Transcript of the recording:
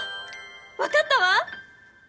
わかったわ！